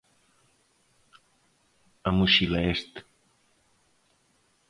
A mochila est